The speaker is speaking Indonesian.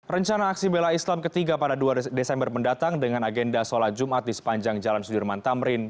rencana aksi bela islam ketiga pada dua desember mendatang dengan agenda sholat jumat di sepanjang jalan sudirman tamrin